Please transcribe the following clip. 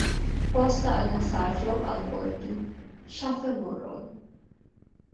Post la anasaĵo alportu ŝaffemuron.